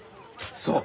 そう！